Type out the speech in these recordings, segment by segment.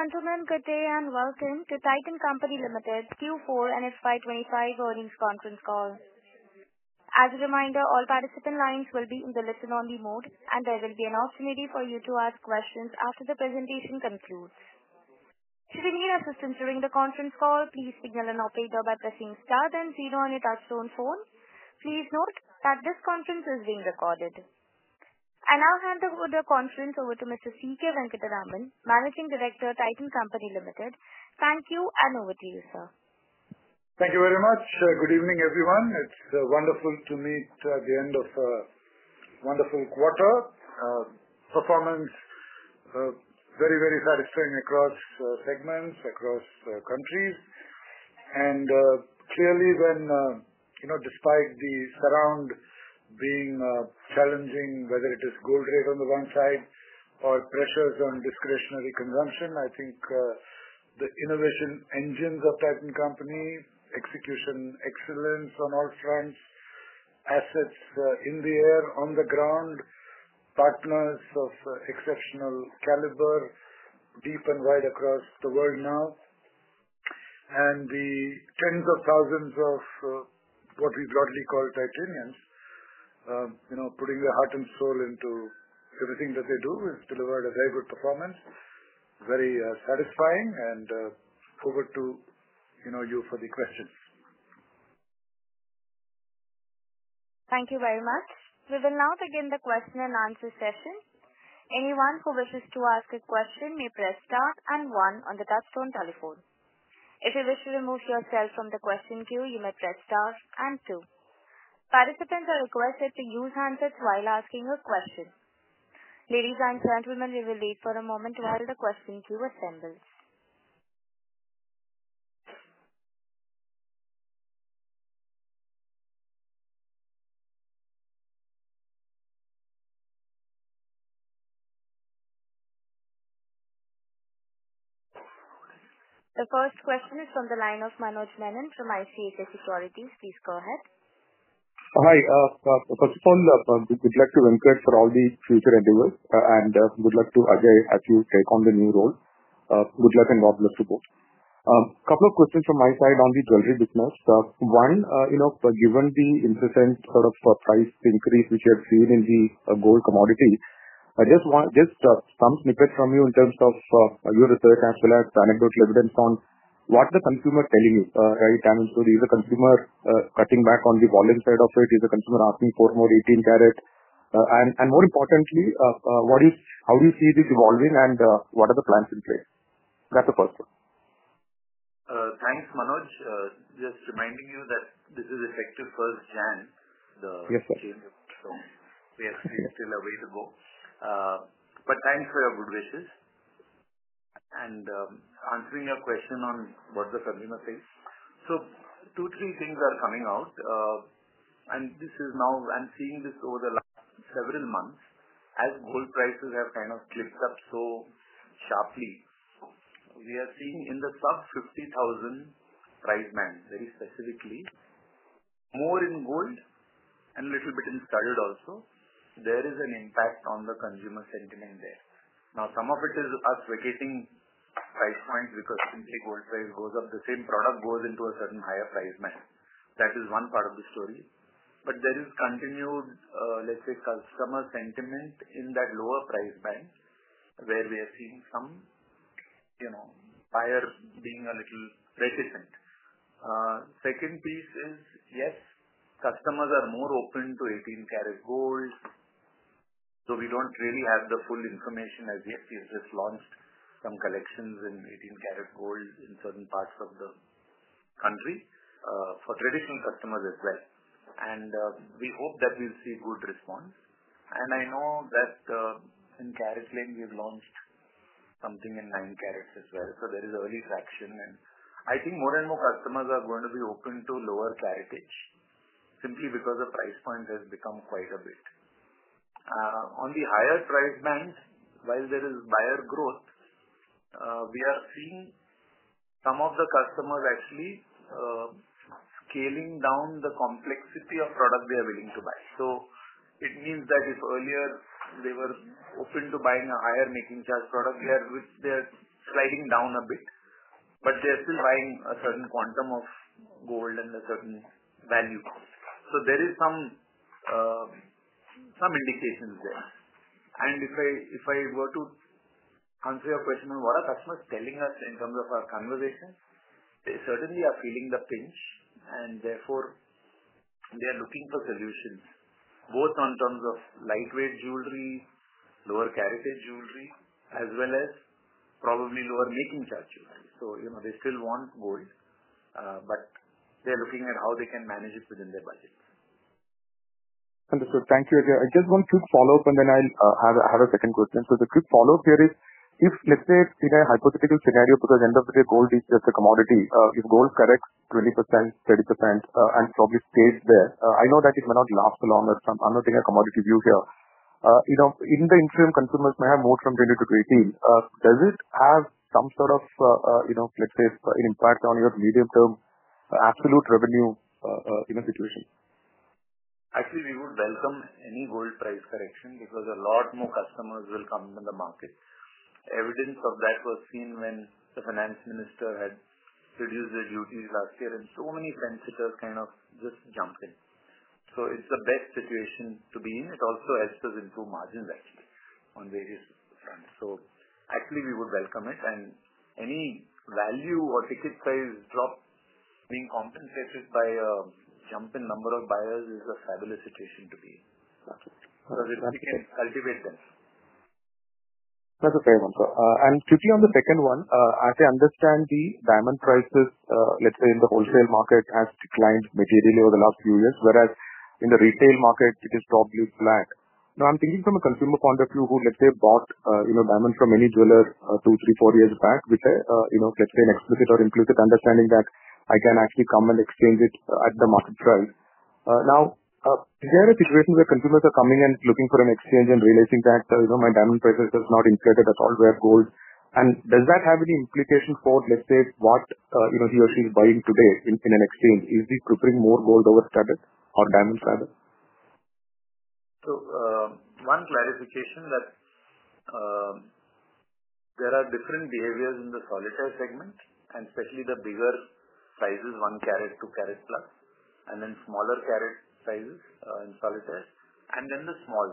Thank you for entering and welcome to Titan Company Limited's Q4 and FY25 earnings conference call. As a reminder, all participant lines will be in the listen-only mode, and there will be an opportunity for you to ask questions after the presentation concludes. Should you need assistance during the conference call, please signal an operator by pressing star then zero on your touch-tone phone. Please note that this conference is being recorded. I now hand over the conference to Mr. C. K. Venkataraman, Managing Director, Titan Company Limited. Thank you, and over to you, sir. Thank you very much. Good evening, everyone. It's wonderful to meet at the end of a wonderful quarter. Performance very, very satisfying across segments, across countries, and clearly, despite the surroundings being challenging, whether it is gold rate on the one side or pressures on discretionary consumption, the innovation engines of Titan Company, execution excellence on all fronts, assets in the air, on the ground, partners of exceptional caliber, deep and wide across the world now, and the tens of thousands of what we broadly call Titaniums, putting their heart and soul into everything that they do, have delivered a very good performance. Very satisfying, and over to you for the questions. Thank you very much. We will now begin the question and answer session. Anyone who wishes to ask a question may press star and one on the touchstone telephone. If you wish to remove yourself from the question queue, you may press star and two. Participants are requested to use handsets while asking a question. Ladies and gentlemen, we will wait for a moment while the question queue assembles. The first question is from the line of Manoj Menon from ICICI Securities. Please go ahead. Hi. First of all, good luck to Venkat for all the future endeavors, and good luck to Ajoy as you take on the new role. Good luck and God bless you both. A couple of questions from my side on the jewelry business. One, given the incessant sort of price increase which you have seen in the gold commodity, just some snippets from you in terms of your research as well as anecdotal evidence on what the consumer is telling you right now. So these are consumers cutting back on the volume side of it. These are consumers asking for more 18-carat. And more importantly, how do you see this evolving, and what are the plans in place? That's the first one. Thanks, Manoj. Just reminding you that this is effective first January. The change, so we are still a way to go, but thanks for your good wishes and answering your question on what the consumer says, so two, three things are coming out and this is now. I'm seeing this over the last several months as gold prices have clipped up so sharply. We are seeing in the sub-INR 50,000 price band, very specifically, more in gold and a little bit in studded also, there is an impact on the consumer sentiment there. Now, some of it is us vacating price points because simply gold price goes up. The same product goes into a certain higher price band. That is one part of the story, but there is continued, let's say, customer sentiment in that lower price band where we are seeing some buyers being a little reticent. Second piece is, yes, customers are more open to 18-carat gold. We don't really have the full information as yet. We have just launched some collections in 18-carat gold in certain parts of the country for traditional customers as well. And we hope that we'll see good response. And I know that in CaratLane, we have launched something in 9 carats as well. So there is early traction. And more and more customers are going to be open to lower Caratage simply because the price point has become quite a bit. On the higher price band, while there is buyer growth, we are seeing some of the customers actually scaling down the complexity of product they are willing to buy. So it means that if earlier they were open to buying a higher making charge product, they are sliding down a bit, but they are still buying a certain quantum of gold and a certain value. So there is some indications there. And if I were to answer your question on what are customers telling us in terms of our conversation, they certainly are feeling the pinch, and therefore they are looking for solutions, both in terms of lightweight jewelry, lower Caratage jewelry, as well as probably lower making charge jewelry. So they still want gold, but they are looking at how they can manage it within their budget. Understood. Thank you. Just one quick follow-up, and then I'll have a second question. So the quick follow-up here is, let's say in a hypothetical scenario, because at the end of the day, gold is just a commodity. If gold corrects 20%, 30%, and probably stays there, I know that it may not last so long. I'm not taking a commodity view here. In the interim, consumers may have more from [2020-2023]. Does it have some let's say, an impact on your medium-term absolute revenue situation? Actually, we would welcome any gold price correction because a lot more customers will come into the market. Evidence of that was seen when the finance minister had reduced the duties last year, and so many fence-sitters just jumped in, so it's the best situation to be in. It also helps us improve margins, actually, on various fronts, so actually, we would welcome it, and any value or ticket size drop being compensated by a jump in number of buyers is a fabulous situation to be in because it can cultivate them. That's a fair answer. And quickly on the second one, as I understand, the diamond prices, let's say, in the wholesale market have declined materially over the last few years, whereas in the retail market, it is probably flat. Now, I'm thinking from a consumer point of view who, let's say, bought diamonds from any jeweler two, three, four years back with, let's say, an explicit or implicit understanding that I can actually come and exchange it at the market price. Now, is there a situation where consumers are coming and looking for an exchange and realizing that my diamond price has not inflated at all, where gold? And does that have any implication for, let's say, what he or she is buying today in an exchange? Is he preferring more gold over studded or diamonds rather? One clarification that there are different behaviors in the solitaire segment, and especially the bigger sizes, one-carat, two-carat plus, and then smaller carat sizes in solitaire, and then the small.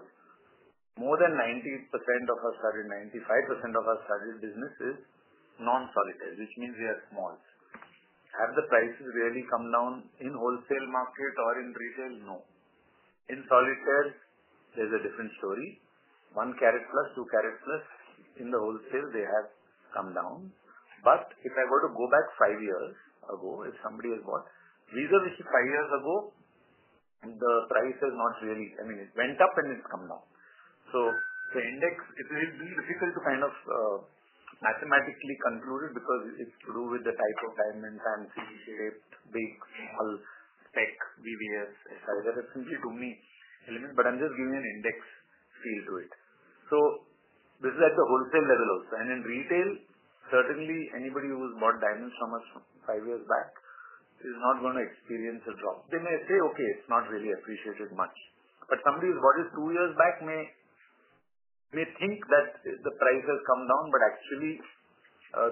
More than 90% of our studded, 95% of our studded business is non-solitaire, which means they are small. Have the prices really come down in wholesale market or in retail? No. In solitaires, there's a different story. One-carat plus, two-carat plus, in the wholesale, they have come down. But if I were to go back five years ago, if somebody had bought, we were selling five years ago, the price has not really, it went up and it's come down. So the index, it is difficult to mathematically conclude it because it's to do with the type of diamond, fancy, shaped, big, small, thick, VVS, etc. That's simply too many elements, but I'm just giving an index feel to it. So this is at the wholesale level also. And in retail, certainly anybody who's bought diamonds from us five years back is not going to experience a drop. They may say, "Okay, it's not really appreciated much." But somebody who's bought it two years back may think that the price has come down, but actually,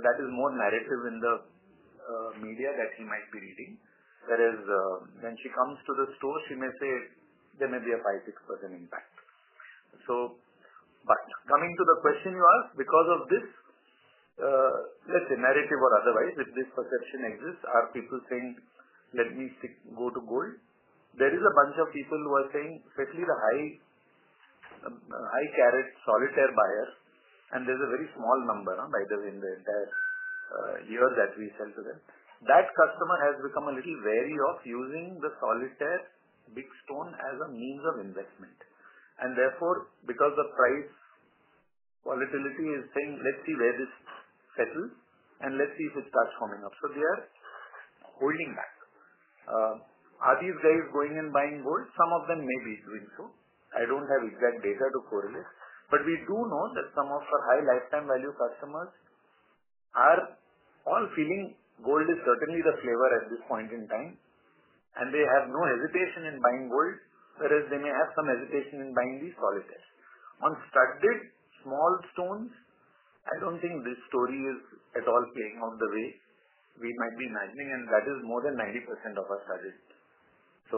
that is more narrative in the media that he might be reading. Whereas when she comes to the store, she may say there may be a 5%-6% impact. But coming to the question you asked, because of this, let's say, narrative or otherwise, if this perception exists, are people saying, "Let me go to gold"? There is a bunch of people who are saying, especially the high-carat solitaire buyers, and there's a very small number, by the way, in the entire year that we sell to them. That customer has become a little wary of using the solitaire, big stone as a means of investment. And therefore, because the price volatility is saying, "Let's see where this settles, and let's see if it starts coming up." So they are holding back. Are these guys going and buying gold? Some of them may be doing so. I don't have exact data to correlate, but we do know that some of our high lifetime value customers are all feeling gold is certainly the flavor at this point in time, and they have no hesitation in buying gold, whereas they may have some hesitation in buying these solitaires. On studded, small stones, I don't think this story is at all playing out the way we might be imagining, and that is more than 90% of our studded. So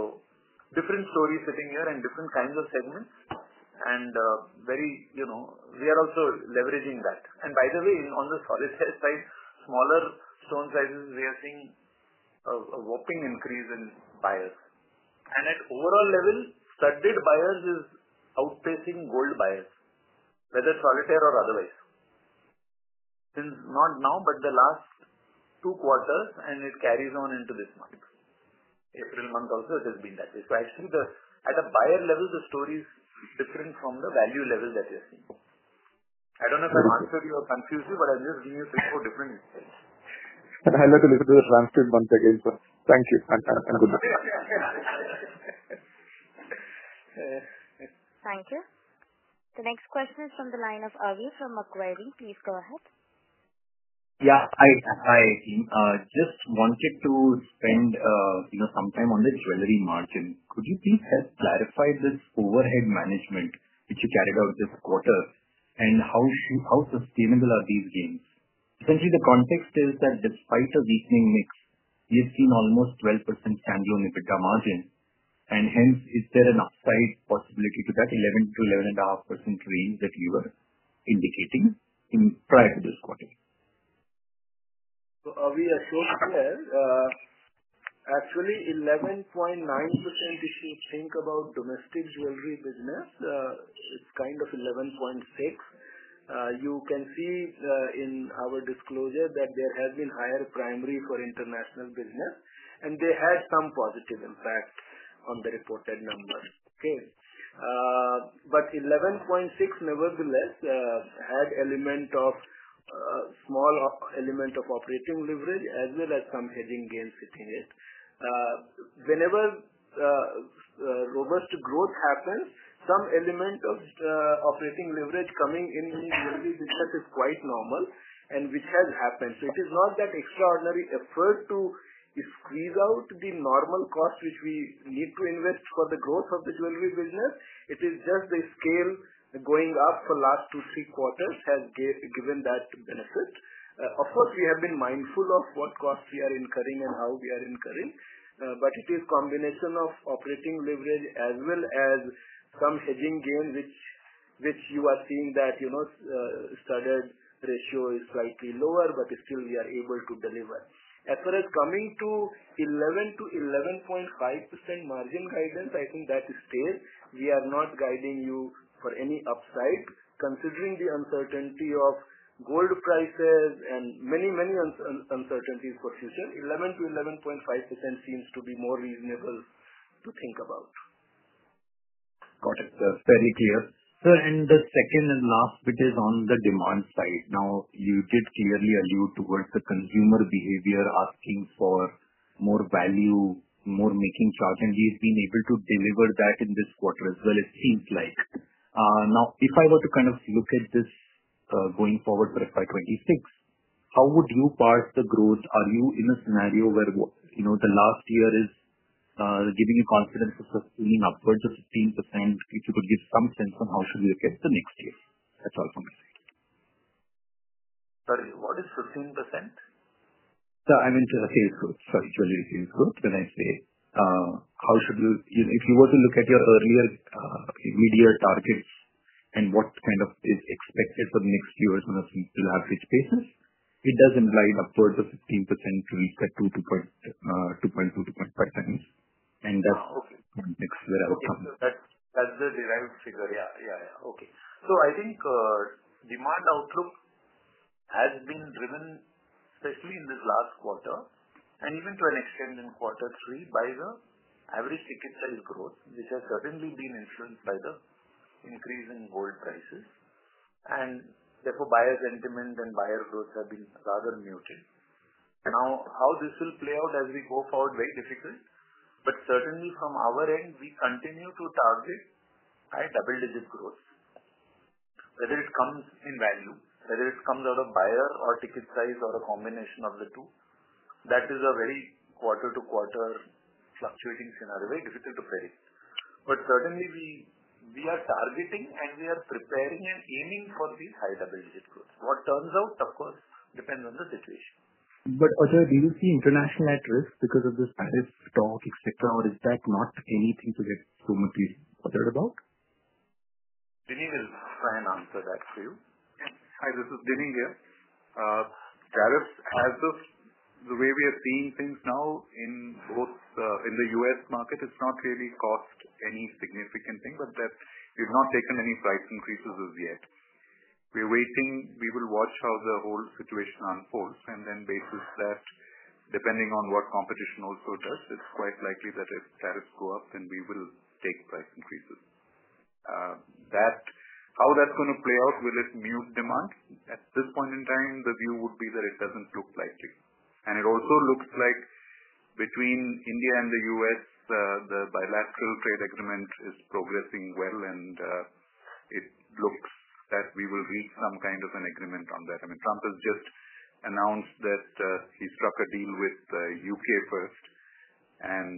different stories sitting here and different kinds of segments, and we are also leveraging that. And by the way, on the solitaire side, smaller stone sizes, we are seeing a whopping increase in buyers. And at overall level, studded buyers are outpacing gold buyers, whether solitaire or otherwise. Since not now, but the last two quarters, and it carries on into this month. April month also, it has been that way. So actually, at a buyer level, the story is different from the value level that we are seeing. I don't know if I'm answering you or confusing you, but I'm just giving you three different insights. I'd like to listen to the transcript once again, sir. Thank you, and good luck. Thank you. The next question is from the line of Avi from Macquarie. Please go ahead. Yeah, hi, Avi. Just wanted to spend some time on the jewelry margin. Could you please help clarify this overhead management which you carried out this quarter, and how sustainable are these gains? Essentially, the context is that despite a weakening mix, we have seen almost 12% standalone EBITDA margin, and hence, is there an upside possibility to that 11%-11.5% range that you were indicating prior to this quarter? Avi, Ashok here. Actually, 11.9% if you think about domestic jewelry business, it's 11.6%. You can see in our disclosure that there has been higher primary for international business, and they had some positive impact on the reported number. Okay? But 11.6%, nevertheless, had a small element of operating leverage as well as some hedging gains sitting in it. Whenever robust growth happens, some element of operating leverage coming in jewelry business is quite normal, and which has happened. It is not that extraordinary effort to squeeze out the normal cost which we need to invest for the growth of the jewelry business. It is just the scale going up for the last two, three quarters has given that benefit. We have been mindful of what costs we are incurring and how we are incurring, but it is a combination of operating leverage as well as some hedging gain which you are seeing that studded ratio is slightly lower, but still we are able to deliver. As far as coming to 11%-11.5% margin guidance, that is clear. We are not guiding you for any upside. Considering the uncertainty of gold prices and many, many uncertainties for the future, 11%-11.5% seems to be more reasonable to think about. Got it. Fairly clear. Sir, and the second and last bit is on the demand side. Now, you did clearly allude towards the consumer behavior asking for more value, more making charge, and you've been able to deliver that in this quarter as well, it seems like. Now, if I were to look at this going forward for FY26, how would you parse the growth? Are you in a scenario where the last year is giving you confidence of sustaining upwards of 15%? If you could give some sense on how should we look at the next year? That's all from my side. Sorry, what is 15%? I meant sales growth, sorry, jewelry sales growth. When I say how should we if you were to look at your earlier immediate targets and what is expected for the next year on a simple average basis, it does imply an upward of 15% rate at 2.25 times, and that's the next where I would come. Okay. So that's the derived figure. Okay. Demand outlook has been driven, especially in this last quarter, and even to an extent in quarter three by the average ticket size growth, which has certainly been influenced by the increase in gold prices. And therefore, buyer sentiment and buyer growth have been rather muted. Now, how this will play out as we go forward is very difficult, but certainly from our end, we continue to target high double-digit growth, whether it comes in value, whether it comes out of buyer or ticket size or a combination of the two. That is a very quarter-to-quarter fluctuating scenario, very difficult to predict. But certainly, we are targeting, and we are preparing and aiming for these high double-digit growth. What turns out, of course, depends on the situation. But Ajoy, do you see international at risk because of this tariff talk, etc., or is that not anything to get so much bothered about? Dinesh will try and answer that for you. Hi, this is Dinesh here. Tariffs, as of the way we are seeing things now in the U.S. market, it's not really caused any significant thing, but we've not taken any price increases as yet. We're waiting. We will watch how the whole situation unfolds, and then based on that, depending on what competition also does, it's quite likely that if tariffs go up, then we will take price increases. How that's going to play out, will it mute demand? At this point in time, the view would be that it doesn't look likely, and it also looks like between India and the U.S., the bilateral trade agreement is progressing well, and it looks that we will reach some an agreement on that. Trump has just announced that he struck a deal with the U.K. first, and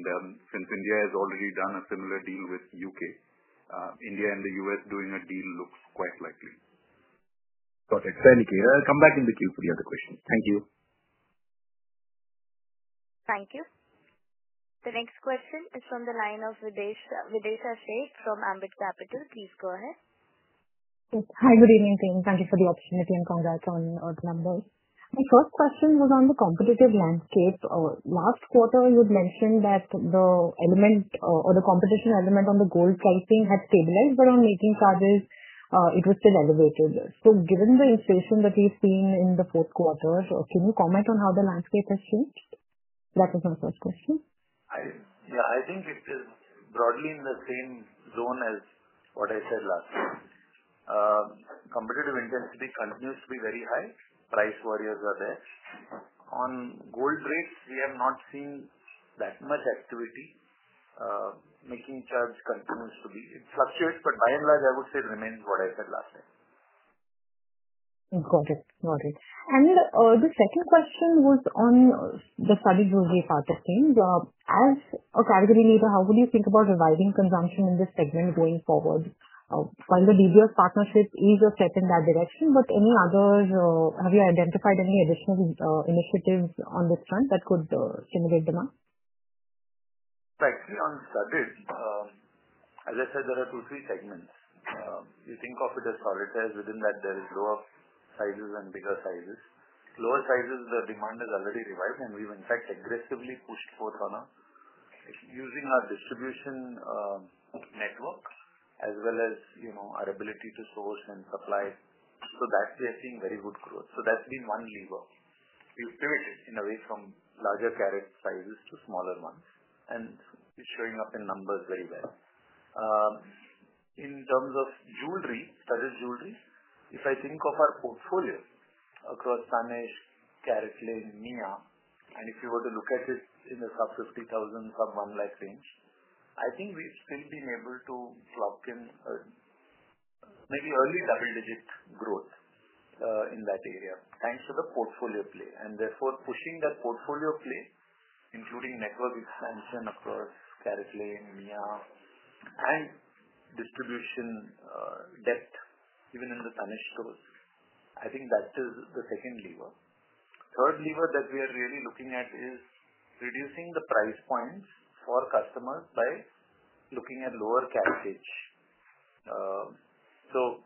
since India has already done a similar deal with the U.K., India and the U.S. doing a deal looks quite likely. Got it. Fairly clear. Come back in the queue for the other questions. Thank you. Thank you. The next question is from the line of Videesha Sheth from Ambit Capital. Please go ahead. Hi, good evening, team. Thank you for the opportunity and congrats on the numbers. My first question was on the competitive landscape. Last quarter, you had mentioned that the element or the competition element on the gold pricing had stabilized, but on making charges, it was still elevated. So given the inflation that we've seen in the fourth quarter, can you comment on how the landscape has changed? That was my first question. Yeah, It is broadly in the same zone as what I said last time. Competitive intensity continues to be very high. Price warriors are there. On gold rates, we have not seen that much activity. Making charge continues to be. It fluctuates, but by and large, I would say it remains what I said last time. Got it. And the second question was on the studded jewelry part of things. As a category leader, how would you think about reviving consumption in this segment going forward? While the De Beers partnership is a step in that direction, but any other have you identified any additional initiatives on this front that could stimulate demand? Actually, on studded, as I said, there are two, three segments. You think of it as solitaire. Within that, there are lower sizes and bigger sizes. Lower sizes, the demand has already revived, and we've, in fact, aggressively pushed forth on using our distribution network as well as our ability to source and supply. So that we are seeing very good growth. So that's been one lever. We've pivoted in a way from larger carat sizes to smaller ones, and it's showing up in numbers very well. In terms of jewelry, studded jewelry, if of our portfolio across Tanishq, CaratLane, Mia, and if you were to look at it in the sub-INR 50,000, sub-1 lakh range, we've still been able to clock in maybe early double-digit growth in that area thanks to the portfolio play. And therefore, pushing that portfolio play, including network expansion across CaratLane, Mia, and distribution depth, even in the Tanishq stores, that is the second lever. Third lever that we are really looking at is reducing the price points for customers by looking at lower Caratage. So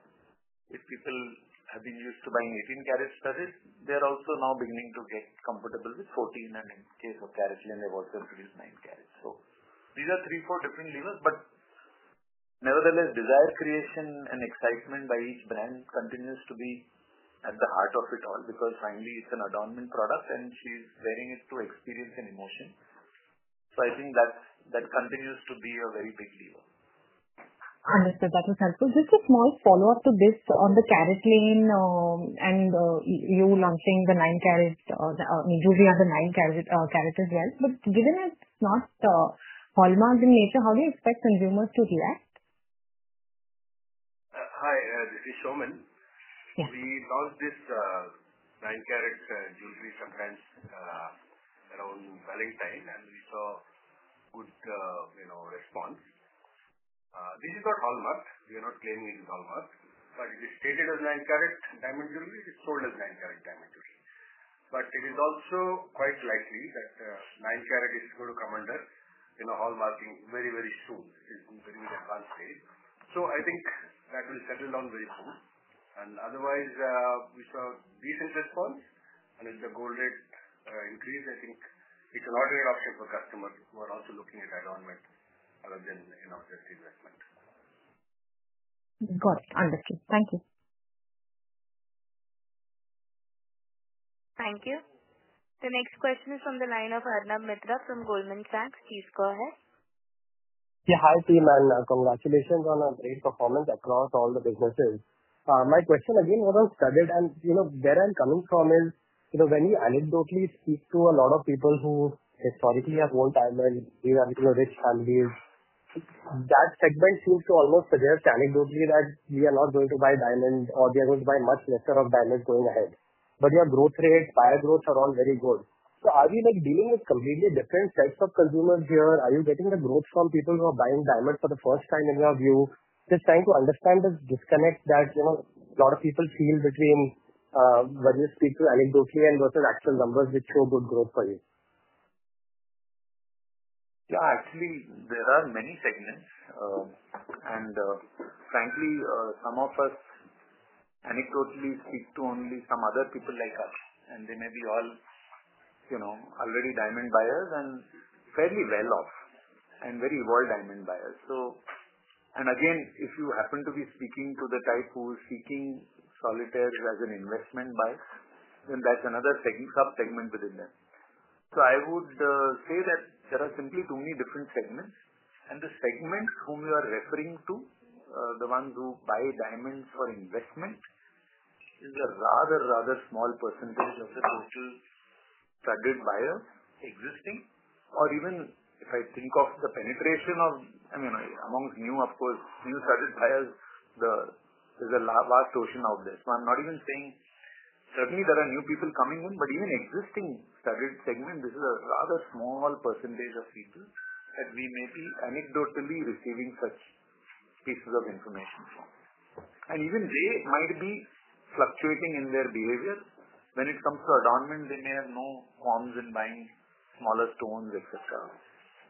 if people have been used to buying 18-carat studded, they are also now beginning to get comfortable with 14, and in the case of CaratLane, they've also introduced 9-carat. So these are three, four different levers, but nevertheless, desire creation and excitement by each brand continues to be at the heart of it all because finally, it's an adornment product, and she's wearing it to experience an emotion. That continues to be a very big lever. Understood. That was helpful. Just a small follow-up to this on the CaratLane, and you're launching the 9-carat jewelry on the 9-carat as well. But given it's not hallmarked in nature, how do you expect consumers to react? Hi, this is Saumen. We launched this 9-carat jewelry sometime around Valentine, and we saw good response. This is not hallmarking. We are not claiming it is hallmarking, but it is stated as 9-carat diamond jewelry. It's sold as 9-carat diamond jewelry. But it is also quite likely that 9-carat is going to come under a hallmarking very, very soon. It's in very advanced stage. That will settle down very soon. And otherwise, we saw decent response, and with the gold rate increase, it's an alternate option for customers who are also looking at adornment other than just investment. Got it. Understood. Thank you. Thank you. The next question is from the line of Arnab Mitra from Goldman Sachs. Please go ahead. Yeah, hi team, and congratulations on a great performance across all the businesses. My question again was on studded, and where I'm coming from is when we anecdotally speak to a lot of people who historically have worn diamonds, they are rich families. That segment seems to almost suggest anecdotally that we are not going to buy diamond, or they are going to buy much lesser of diamonds going ahead. But your growth rate, buyer growth are all very good, so are we dealing with completely different types of consumers here? Are you getting the growth from people who are buying diamonds for the first time in your view? Just trying to understand this disconnect that a lot of people feel between what you speak to anecdotally and versus actual numbers which show good growth for you. Yeah, actually, there are many segments, and frankly, some of us anecdotally speak to only some other people like us, and they may be all already diamond buyers and fairly well-off and very well diamond buyers. And again, if you happen to be speaking to the type who is seeking solitaire as an investment buy, then that's another sub-segment within them. So I would say that there are simply too many different segments, and the segment whom you are referring to, the ones who buy diamonds for investment, is a rather, rather small percentage of the total studded buyers existing. Even if of the penetration of amongst new, of course, new studded buyers, there's a vast ocean out there. So I'm not even saying suddenly there are new people coming in, but even existing studded segment, this is a rather small percentage of people that we may be anecdotally receiving such pieces of information from. And even they might be fluctuating in their behavior. When it comes to adornment, they may have no qualms in buying smaller stones, etc.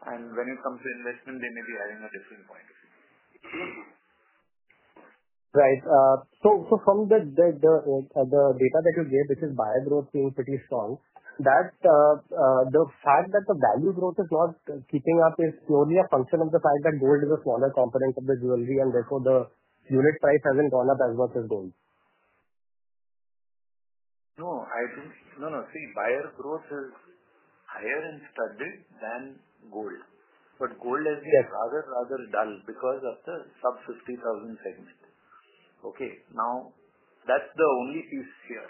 And when it comes to investment, they may be having a different point of view. Right. So from the data that you gave, which is buyer growth being pretty strong, the fact that the value growth is not keeping up is purely a function of the fact that gold is a smaller component of the jewelry, and therefore the unit price hasn't gone up as much as gold. No. See, buyer growth is higher in studded than gold, but gold has been rather, rather dull because of the sub-50,000 segment. Okay. Now, that's the only piece here.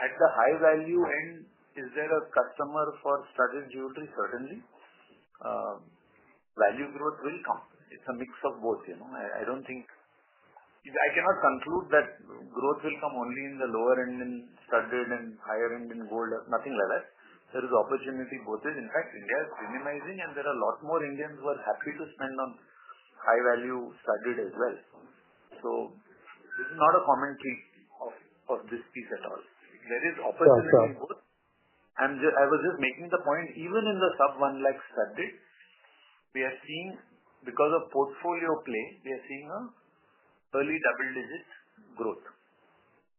At the high value end, is there a customer for studded jewelry? Certainly. Value growth will come. It's a mix of both. I don't think I cannot conclude that growth will come only in the lower end in studded and higher end in gold, nothing like that. There is opportunity both ways. In fact, India is modernizing, and there are a lot more Indians who are happy to spend on high-value studded as well. So this is not a commentary of this piece at all. There is opportunity both. I was just making the point, even in the sub-1 lakh studded, we are seeing, because of portfolio play, we are seeing an early double-digit growth,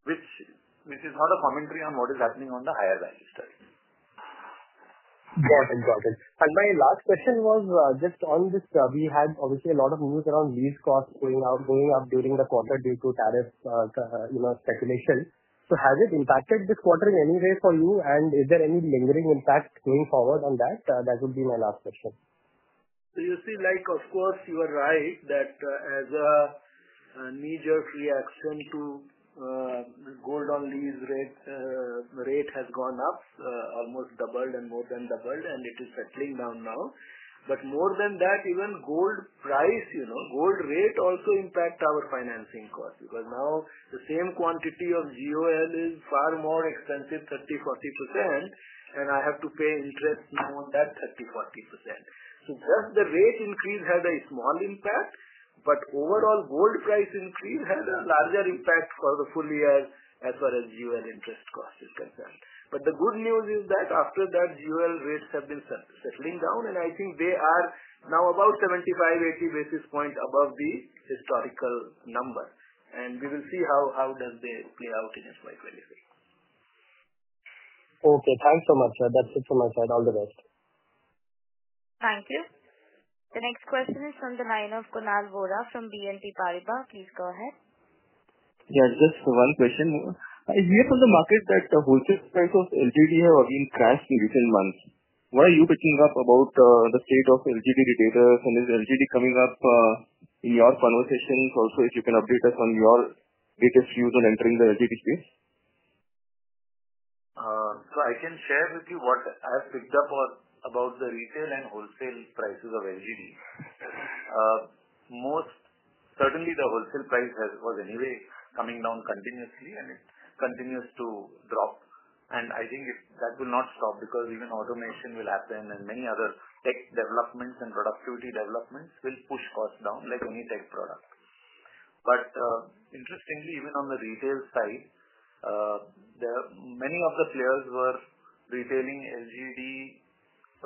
which is not a commentary on what is happening on the higher value studded. Got it. And my last question was just on this. We had obviously a lot of news around lease costs going up during the quarter due to tariff speculation. So has it impacted this quarter in any way for you, and is there any lingering impact going forward on that? That would be my last question. So you see, of course, you are right that as a knee-jerk reaction to gold on lease rate has gone up, almost doubled and more than doubled, and it is settling down now. But more than that, even gold price, gold rate also impacts our financing costs because now the same quantity of GOL is far more expensive, 30%-40%, and I have to pay interest on that 30%-40%. So just the rate increase had a small impact, but overall gold price increase had a larger impact for the full year as far as GOL interest cost is concerned. But the good news is that after that, GOL rates have been settling down, and they are now about 75-80 basis points above the historical number. And we will see how does they play out in FY23. Okay. Thanks so much, sir. That's it from my side. All the best. Thank you. The next question is from the line of Kunal Vohra from BNP Paribas. Please go ahead. Yeah, just one question. I hear from the market that the wholesale price of LGD have again crashed in recent months. What are you picking up about the state of LGD retailers, and is LGD coming up in your conversations? Also, if you can update us on your latest views on entering the LGD space. So I can share with you what I've picked up about the retail and wholesale prices of LGD. Certainly, the wholesale price was anyway coming down continuously, and it continues to drop. And that will not stop because even automation will happen, and many other tech developments and productivity developments will push costs down like any tech product. But interestingly, even on the retail side, many of the players were retailing LGD products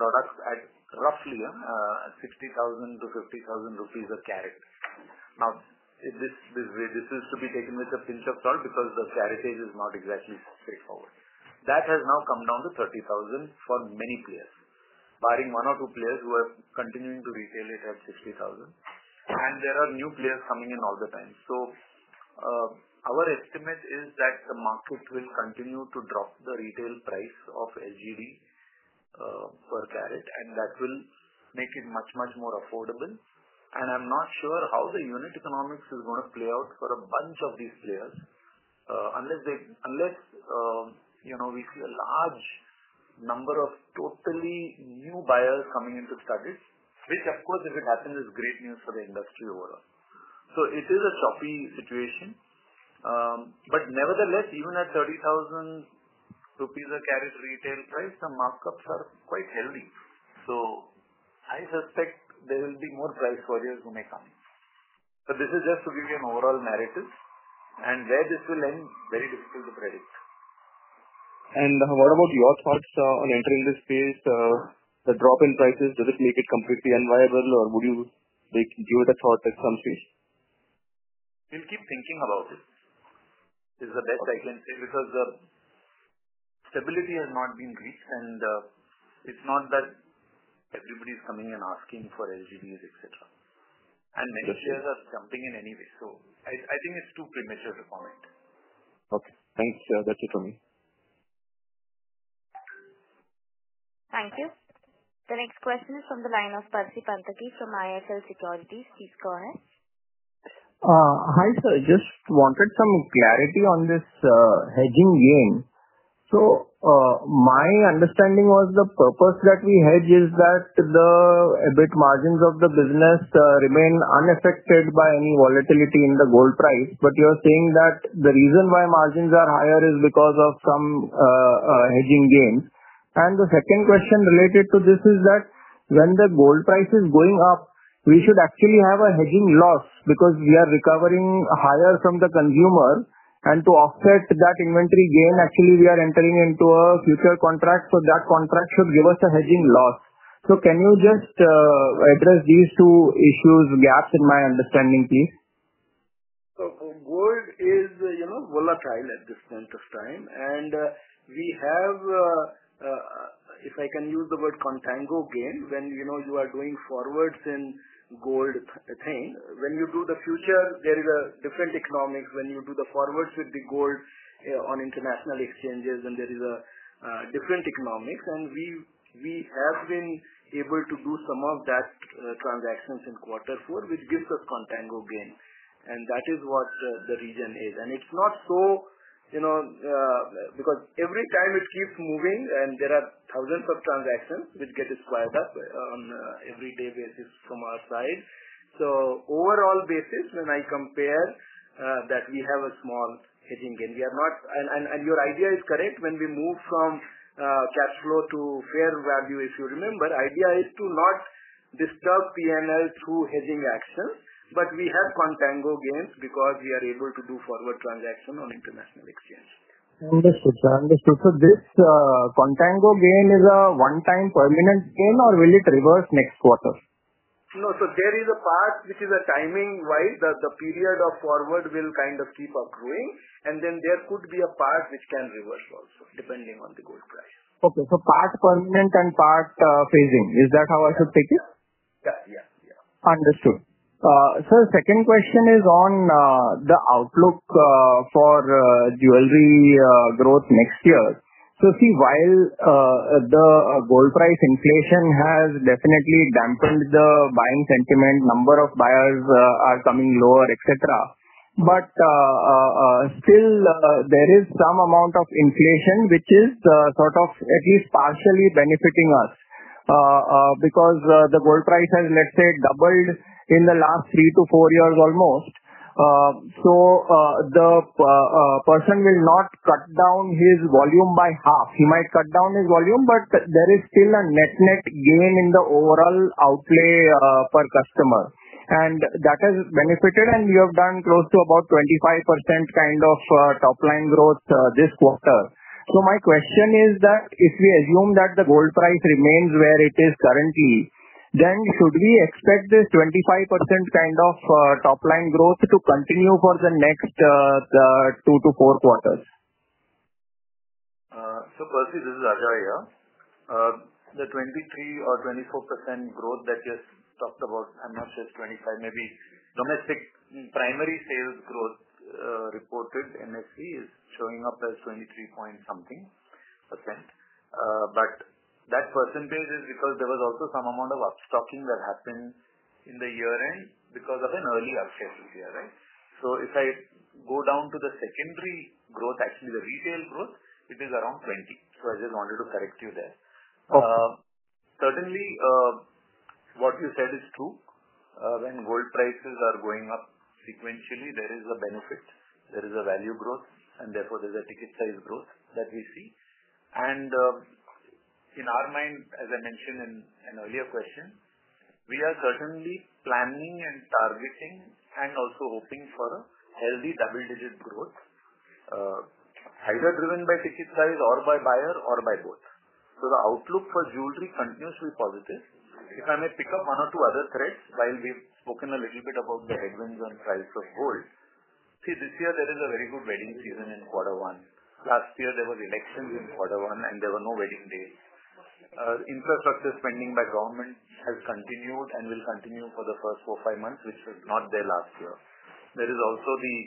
at roughly 60,000-50,000 rupees a carat. Now, this is to be taken with a pinch of salt because the Caratage is not exactly straightforward. That has now come down to 30,000 for many players, barring one or two players who are continuing to retail it at 60,000. And there are new players coming in all the time. So our estimate is that the market will continue to drop the retail price of LGD per carat, and that will make it much, much more affordable. And I'm not sure how the unit economics is going to play out for a bunch of these players unless we see a large number of totally new buyers coming into studded, which, of course, if it happens, is great news for the industry overall. So it is a choppy situation. But nevertheless, even at 30,000 rupees a carat retail price, the markups are quite heavy. So I suspect there will be more price warriors who may come. But this is just to give you an overall narrative, and where this will end, very difficult to predict. What about your thoughts on entering this space? The drop in prices, does it make it completely unviable, or would you give it a thought at some stage? We'll keep thinking about it, is the best I can say, because the stability has not been reached, and it's not that everybody is coming and asking for LGDs, etc., and many shares are jumping in anyway, so it's too premature to comment. Okay. Thanks. That's it from me. Thank you. The next question is from the line of Percy Panthaki from IIFL Securities. Please go ahead. Hi, sir. Just wanted some clarity on this hedging gain. So my understanding was the purpose that we hedge is that the EBIT margins of the business remain unaffected by any volatility in the gold price. But you're saying that the reason why margins are higher is because of some hedging gain. And the second question related to this is that when the gold price is going up, we should actually have a hedging loss because we are recovering higher from the consumer. And to offset that inventory gain, actually, we are entering into a futures contract, so that contract should give us a hedging loss. So can you just address these two issues, gaps in my understanding, please? So gold is volatile at this point of time, and we have, if I can use the word, Contango gain. When you are doing forwards in gold, when you do the future, there is a different economics. When you do the forwards with the gold on international exchanges, then there is a different economics. And we have been able to do some of those transactions in quarter four, which gives us Contango gain. And that is what the reason is. And it's not so because every time it keeps moving, and there are thousands of transactions which get squared up on an every day basis from our side. So overall basis, when I compare that we have a small hedging gain, we are not and your idea is correct. When we move from cash flow to fair value, if you remember, the idea is to not disturb P&L through hedging actions, but we have contango gains because we are able to do forward transaction on international exchange. Understood, sir. So this contango gain is a one-time permanent gain, or will it reverse next quarter? No, so there is a part which is timing-wise. The period of forward will keep accruing, and then there could be a part which can reverse also, depending on the gold price. Okay. So part permanent and part phasing. Is that how I should take it? Yeah. Understood. Sir, second question is on the outlook for jewelry growth next year. So see, while the gold price inflation has definitely dampened the buying sentiment, the number of buyers are coming lower, etc., but still there is some amount of inflation which is sort of at least partially benefiting us because the gold price has, let's say, doubled in the last three to four years almost. So the person will not cut down his volume by half. He might cut down his volume, but there is still a net-net gain in the overall outlay per customer. And that has benefited, and we have done close to about 25% top-line growth this quarter. So my question is that if we assume that the gold price remains where it is currently, then should we expect this 25% top-line growth to continue for the next two to four quarters? Percy, this is Ajoy here. The 23% or 24% growth that you talked about, I'm not sure it's 25%, maybe domestic primary sales growth reported MSC is showing up as 23-point-something%. But that percentage is because there was also some amount of upstocking that happened in the year-end because of an early upshift this year, right? If I go down to the secondary growth, actually the retail growth, it is around 20%. I just wanted to correct you there. Certainly, what you said is true. When gold prices are going up sequentially, there is a benefit. There is a value growth, and therefore there's a ticket size growth that we see. In our mind, as I mentioned in an earlier question, we are certainly planning and targeting and also hoping for a healthy double-digit growth, either driven by ticket size or by buyer or by both. The outlook for jewelry continues to be positive. If I may pick up one or two other threads while we've spoken a little bit about the headwinds and price of gold, see, this year there is a very good wedding season in quarter one. Last year, there were elections in quarter one, and there were no wedding days. Infrastructure spending by government has continued and will continue for the first four, five months, which was not there last year. There is also the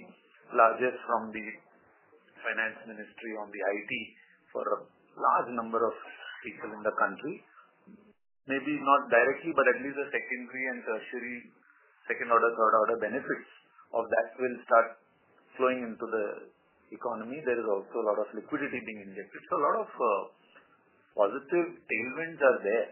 largest from the Finance Ministry on the IT for a large number of people in the country. Maybe not directly, but at least the secondary and tertiary second order, third order benefits of that will start flowing into the economy. There is also a lot of liquidity being injected. So a lot of positive tailwinds are there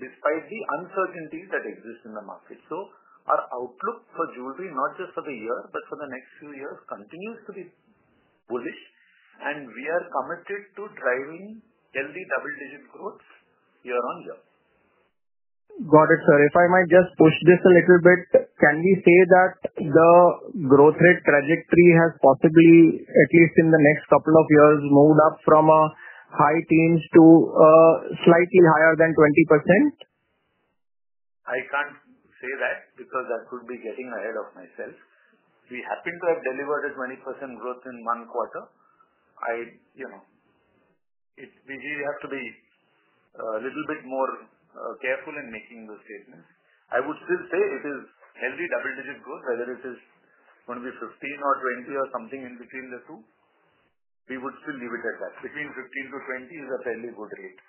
despite the uncertainties that exist in the market. So our outlook for jewelry, not just for the year, but for the next few years, continues to be bullish, and we are committed to driving healthy double-digit growth year on year. Got it, sir. If I might just push this a little bit, can we say that the growth rate trajectory has possibly, at least in the next couple of years, moved up from a high teens to slightly higher than 20%? I can't say that because I could be getting ahead of myself. We happen to have delivered a 20% growth in one quarter. We have to be a little bit more careful in making those statements. I would still say it is healthy double-digit growth. Whether it is going to be 15% or 20% or something in between the two, we would still leave it at that. Between 15%-20% is a fairly good rate,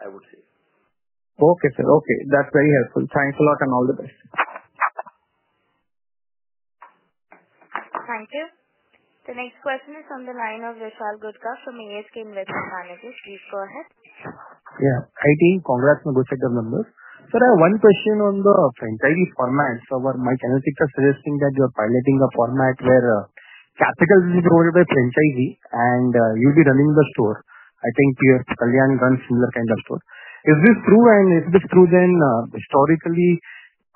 I would say. Okay, sir. That's very helpful. Thanks a lot and all the best. Thank you. The next question is from the line of Vishal Gutka from ASK Investment Managers. Please go ahead. Yeah. Hi, team. Congrats on the good set of numbers. Sir, I have one question on the franchisee formats. My analytics are suggesting that you're piloting a format where capital is brought in by franchisee, and you'll be running the store. PF Kalyan runs a similar store. Is this true, and if it's true, then historically,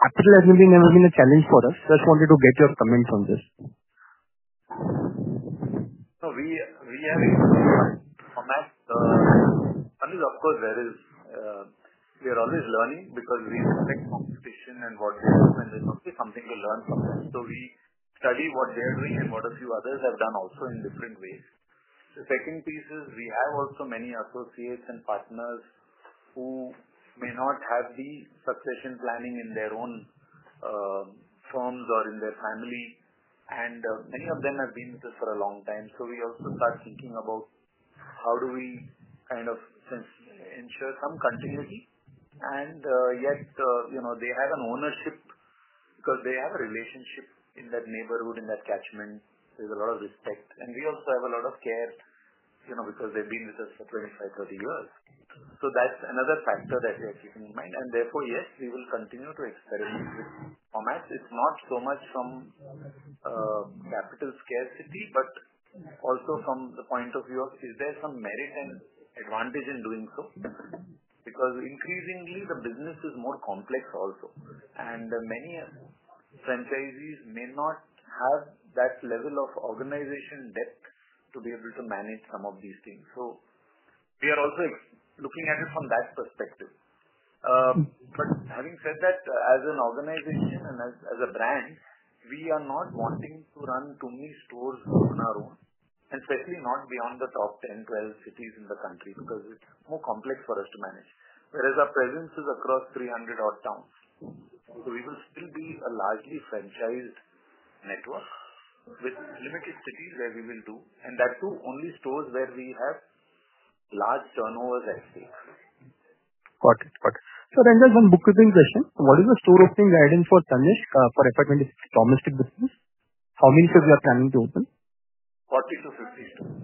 capital has never been a challenge for us? Just wanted to get your comments on this. We have a unique format. We are always learning because we respect competition and what they do, and there's always something to learn from them. We study what they're doing and what a few others have done also in different ways. The second piece is we have also many associates and partners who may not have the succession planning in their own firms or in their family, and many of them have been with us for a long time. We also start thinking about how do we ensure some continuity, and yet they have an ownership because they have a relationship in that neighborhood, in that catchment. There's a lot of respect, and we also have a lot of care because they've been with us for 25, 30 years. That's another factor that we are keeping in mind. And therefore, yes, we will continue to experiment with formats. It's not so much from capital scarcity, but also from the point of view of is there some merit and advantage in doing so because increasingly, the business is more complex also, and many franchisees may not have that level of organization depth to be able to manage some of these things. So we are also looking at it from that perspective. But having said that, as an organization and as a brand, we are not wanting to run too many stores on our own, and especially not beyond the top 10-12 cities in the country because it's more complex for us to manage. Whereas our presence is across 300-odd towns. So we will still be a largely franchised network with limited cities where we will do, and that too only stores where we have large turnovers at stake. Got it. Sir, I just have one bookkeeping question. What is the store opening guidance for Tanishq for FY26 domestic business? How many stores are you planning to open? 40-50 stores.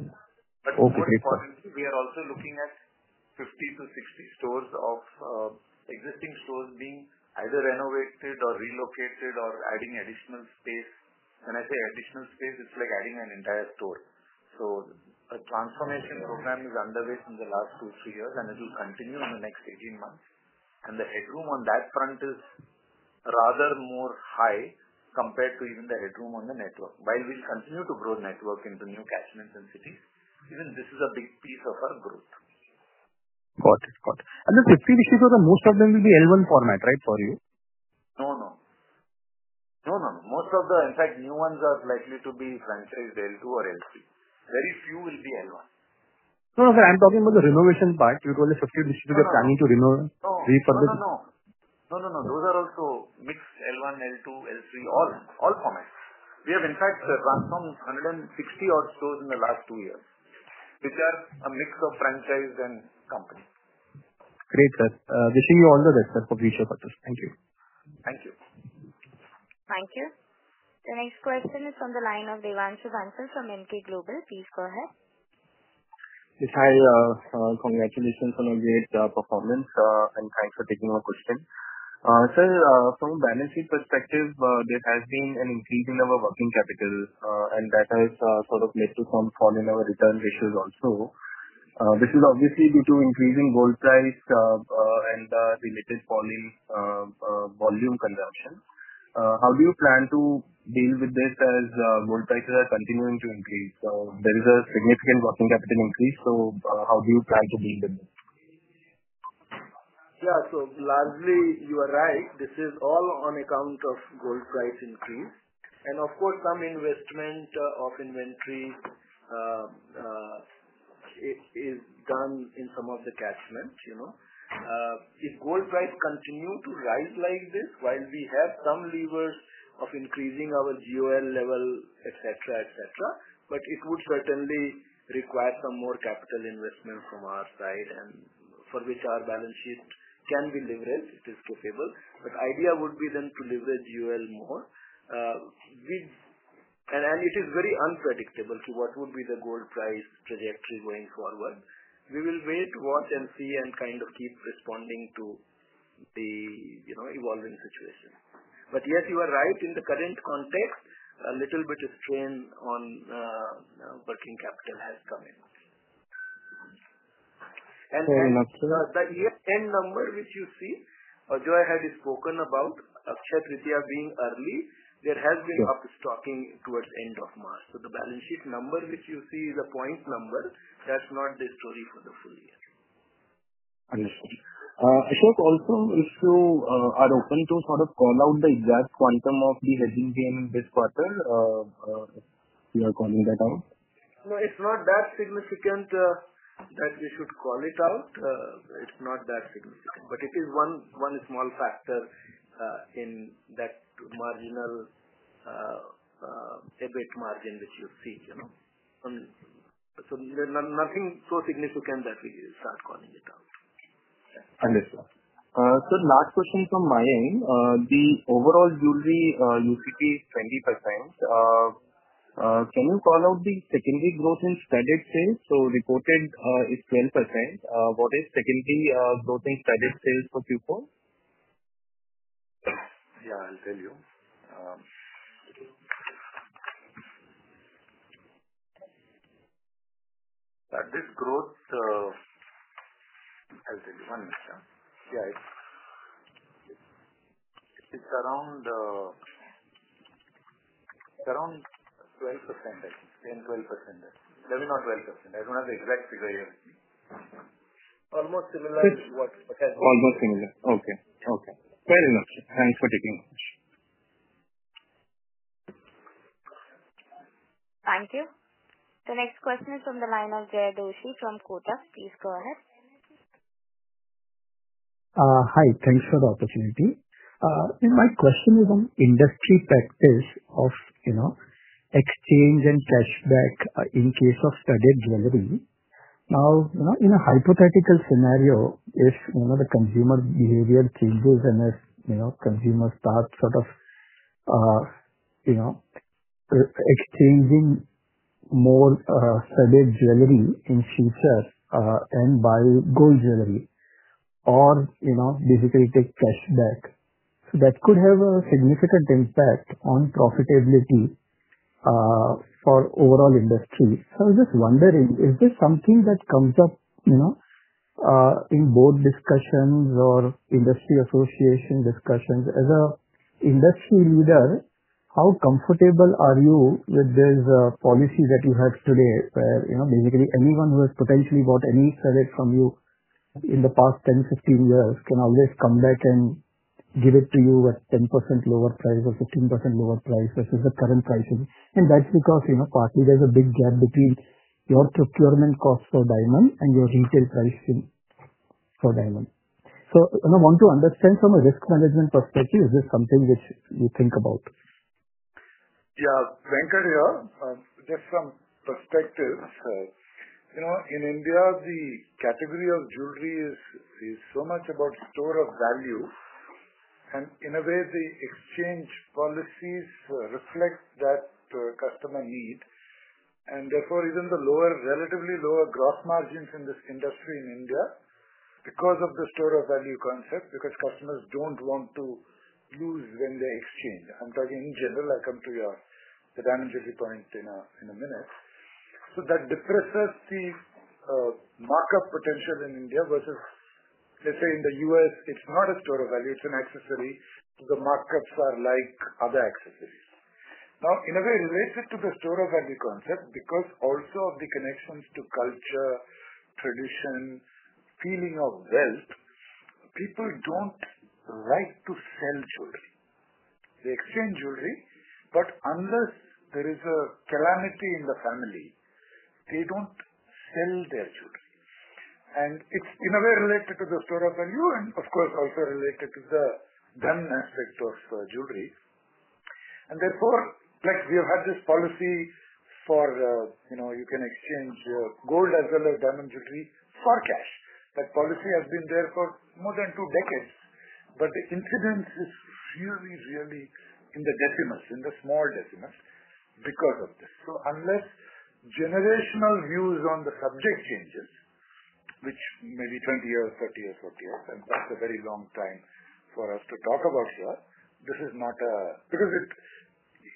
Okay. Great. But we are also looking at 50-60 stores of existing stores being either renovated or relocated or adding additional space. When I say additional space, it's like adding an entire store. So a transformation program is underway in the last two, three years, and it will continue in the next 18 months. And the headroom on that front is rather more high compared to even the headroom on the network. While we'll continue to grow network into new catchments and cities, even this is a big piece of our growth. Got it. And the 50 distributors, most of them will be L1 format, right, for you? No. Most of the, in fact, new ones are likely to be franchise L2 or L3. Very few will be L1. No, sir. I'm talking about the renovation part. You told us 50 distributors are planning to renovate for this. No. Those are also mixed L1, L2, L3, all formats. We have, in fact, transformed 160 odd stores in the last two years, which are a mix of franchise and company. Great, sir. Wishing you all the best, sir, for future purposes. Thank you. Thank you. Thank you. The next question is from the line of Devanshu Bansal from Emkay Global. Please go ahead. Yes, hi. Congratulations on a great performance, and thanks for taking our question. Sir, from a balance sheet perspective, there has been an increase in our working capital, and that has sort of led to some fall in our return ratios also. This is obviously due to increasing gold price and related fall in volume consumption. How do you plan to deal with this as gold prices are continuing to increase? There is a significant working capital increase, so how do you plan to deal with it? Yeah. So largely, you are right. This is all on account of gold price increase. And of course, some investment of inventory is done in some of the catchments. If gold prices continue to rise like this, while we have some levers of increasing our GOL level, etc., etc., but it would certainly require some more capital investment from our side, and for which our balance sheet can be leveraged. It is capable. But the idea would be then to leverage GOL more. And it is very unpredictable to what would be the gold price trajectory going forward. We will wait, watch, and see, and keep responding to the evolving situation. But yes, you are right. In the current context, a little bit of strain on working capital has come in. Fair enough, sir. And the year-end number which you see, which I had spoken about, Akshay Tritiya being early, there has been upstocking towards the end of March. So the balance sheet number which you see is a point number. That's not the story for the full year. Understood. Ashok, also, if you are open to sort of call out the exact quantum of the hedging gain in this quarter, if you are calling that out? No, it's not that significant that we should call it out. It's not that significant. But it is one small factor in that marginal EBIT margin which you see. So nothing so significant that we start calling it out. Understood. Sir, last question from my end. The overall jewelry UCT is 20%. Can you call out the secondary growth in credit sales? So reported is 12%. What is secondary growth in credit sales for Q4? Yeah, I'll tell you. This growth, I'll tell you. One moment, sir. Yeah, it's around 12%. 10%-12%. Maybe not 12%. I don't have the exact figure here. Almost similar to what I had. Almost similar. Okay. Fair enough, sir. Thanks for taking our question. Thank you. The next question is from the line of Jaykumar Doshi from Kotak Securities. Please go ahead. Hi. Thanks for the opportunity. My question is on industry practice of exchange and cashback in case of studded jewelry. Now, in a hypothetical scenario, if the consumer behavior changes and if consumers start sort of exchanging more studded jewelry in future and buy gold jewelry or basically take cashback, that could have a significant impact on profitability for overall industry. So I'm just wondering, is this something that comes up in board discussions or industry association discussions? As an industry leader, how comfortable are you with this policy that you have today where basically anyone who has potentially bought any jewelry from you in the past 10, 15 years can always come back and give it to you at 10% lower price or 15% lower price versus the current prices? And that's because partly there's a big gap between your procurement cost for diamond and your retail pricing for diamond. So I want to understand from a risk management perspective, is this something which you think about? Yeah. Venkataraman here. Just from perspective, in India, the category of jewelry is so much about store of value. And in a way, the exchange policies reflect that customer need. And therefore, even the relatively lower gross margins in this industry in India because of the store of value concept, because customers don't want to lose when they exchange. I'm talking in general. I come to the diamond jewelry point in a minute. So that depresses the markup potential in India versus, let's say, in the U.S., it's not a store of value. It's an accessory. The markups are like other accessories. Now, in a way, related to the store of value concept, because also of the connections to culture, tradition, feeling of wealth, people don't like to sell jewelry. They exchange jewelry, but unless there is a calamity in the family, they don't sell their jewelry. It's in a way related to the store of value and, of course, also related to the diamond aspect of jewelry. Therefore, we have had this policy for you can exchange gold as well as diamond jewelry for cash. That policy has been there for more than two decades, but the incidence is really, really in the decimals, in the small decimals because of this. Unless generational views on the subject change, which may be 20 years, 30 years, 40 years, and that's a very long time for us to talk about here, this is not a because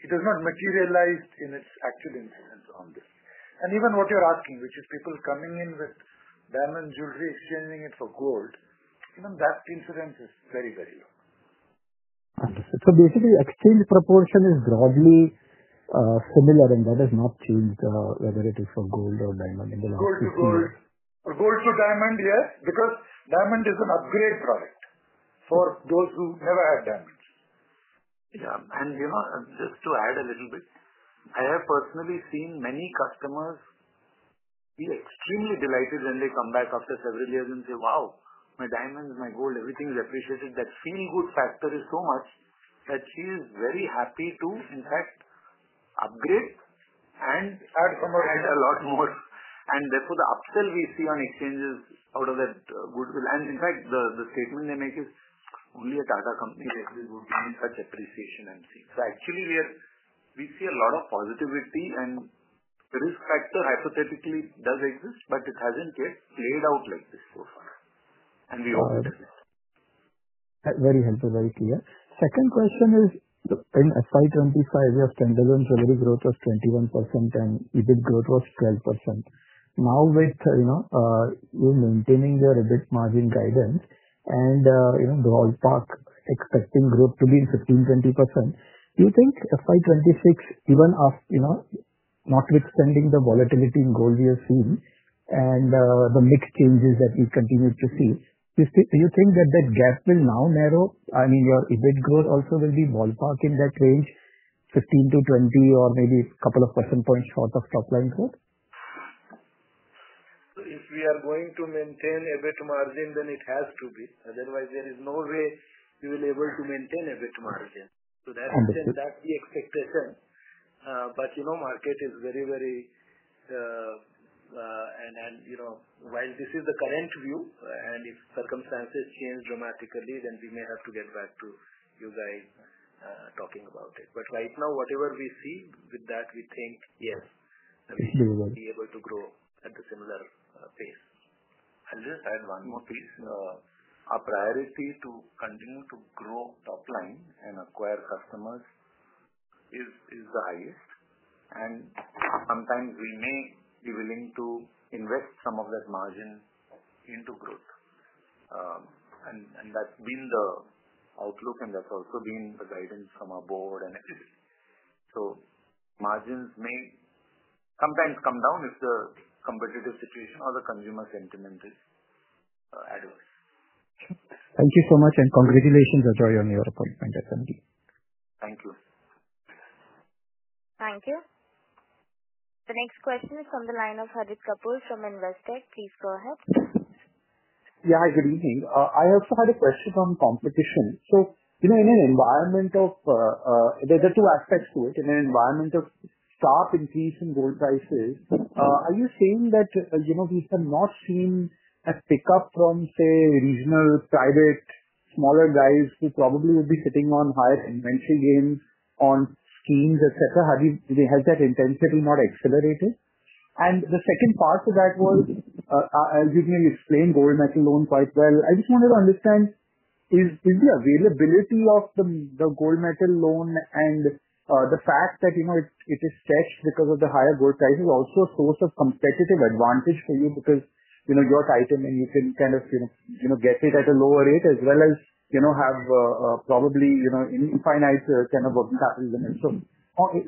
it has not materialized in its actual incidence on this. Even what you're asking, which is people coming in with diamond jewelry, exchanging it for gold, even that incidence is very, very low. Understood. So basically, exchange proportion is broadly similar, and that has not changed whether it is for gold or diamond in the last few years. Gold to diamond, yes, because diamond is an upgrade product for those who never had diamonds. Yeah, and just to add a little bit, I have personally seen many customers be extremely delighted when they come back after several years and say, "Wow, my diamonds, my gold, everything is appreciated." That feel-good factor is so much that she is very happy to, in fact, upgrade and add a lot more, and therefore, the upsell we see on exchanges out of that goodwill, and in fact, the statement they make is, "Only a Tata company like this would gain such appreciation and see," so actually, we see a lot of positivity, and the risk factor hypothetically does exist, but it hasn't yet played out like this so far, and we hope it doesn't. Very helpful. Very clear. Second question is, in FY26, we have standalone jewelry growth of 21% and EBIT growth of 12%. Now, with you maintaining your EBIT margin guidance and the ballpark expecting growth to be 15%-20%, do you think FY26, even notwithstanding the volatility in gold we have seen and the mixed changes that we've continued to see, do you think that that gap will now narrow? Your EBIT growth also will be ballpark in that range, 15%-20% or maybe a couple of percentage points short of top line growth? If we are going to maintain EBIT margin, then it has to be. Otherwise, there is no way we will be able to maintain EBIT margin. That's the expectation. Market is very, very and while this is the current view, and if circumstances change dramatically, then we may have to get back to you guys talking about it. Right now, whatever we see with that, we think, yes, we should be able to grow at a similar pace. I'll just add one more piece. Our priority to continue to grow top line and acquire customers is the highest. Sometimes we may be willing to invest some of that margin into growth. That's been the outlook, and that's also been the guidance from our board and everybody. Margins may sometimes come down if the competitive situation or the consumer sentiment is adverse. Thank you so much, and congratulations on your appointment, Ajoy. Thank you. Thank you. The next question is from the line of Harit Kapoor from Investec. Please go ahead. Yeah. Hi. Good evening. I also had a question on competition. So in an environment of there are two aspects to it. In an environment of sharp increase in gold prices, are you saying that we have not seen a pickup from, say, regional private, smaller guys who probably would be sitting on higher inventory gains on schemes, etc.? Have they had that intensity not accelerated? And the second part to that was, as you may have explained, gold on lease quite well. I just wanted to understand, is the availability of the gold on lease and the fact that it is stretched because of the higher gold prices also a source of competitive advantage for you because you're a Titan and you can get it at a lower rate as well as have probably an infinite working capital limit? So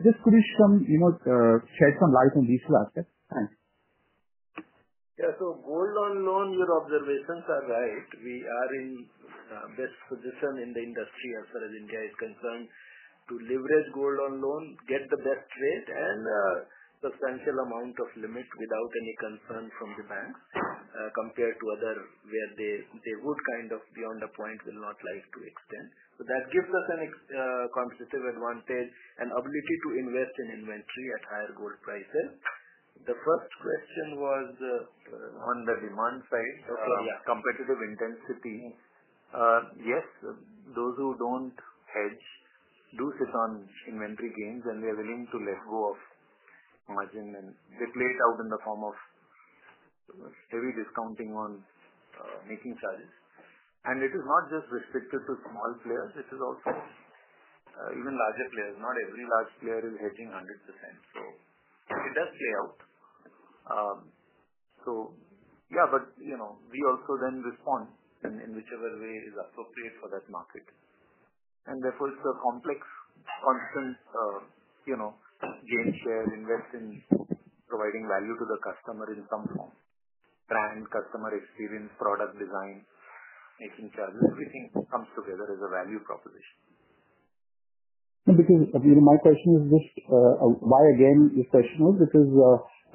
just could you shed some light on these two aspects? Thanks. Yeah. So gold on loan, your observations are right. We are in best position in the industry as far as India is concerned to leverage gold on loan, get the best rate, and substantial amount of limit without any concern from the banks compared to other where they would be on the point, will not like to extend. So that gives us a competitive advantage and ability to invest in inventory at higher gold prices. The first question was on the demand side. Competitive intensity. Yes. Those who don't hedge do sit on inventory gains, and they are willing to let go of margin, and they play it out in the form of heavy discounting on making charges. And it is not just restricted to small players. It is also even larger players. Not every large player is hedging 100%. So it does play out. So yeah, but we also then respond in whichever way is appropriate for that market. And therefore, it's a complex constant game share, invest in providing value to the customer in some form. Brand, customer experience, product design, making charges, everything comes together as a value proposition. Because my question is just why, again, this question is because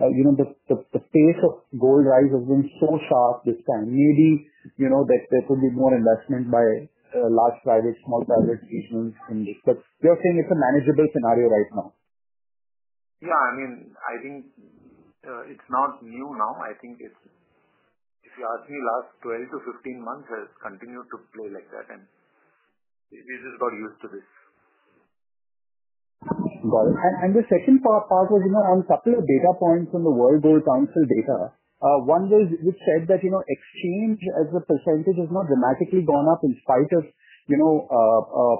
the pace of gold rise has been so sharp this time. Maybe there could be more investment by large private, small private investors in this, but you're saying it's a manageable scenario right now. Yeah. It's not new now. If you ask me, last 12-15 months has continued to play like that, and we just got used to this. Got it, and the second part was on a couple of data points on the World Gold Council data. One was which said that exchange as a percentage has not dramatically gone up in spite of